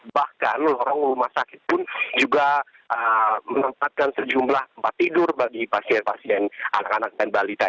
bahkan lorong rumah sakit pun juga menempatkan sejumlah tempat tidur bagi pasien pasien anak anak dan balita